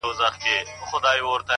د کتابتون سکوت د فکر حرکت ورو کوي!